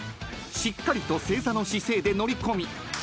［しっかりと正座の姿勢で乗り込み］